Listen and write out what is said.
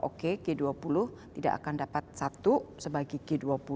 oke g dua puluh tidak akan dapat satu sebagai g dua puluh